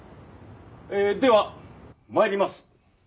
では参ります。